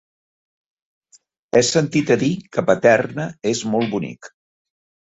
He sentit a dir que Paterna és molt bonic.